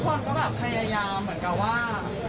คนก็แบบพยายามเหมือนกับว่า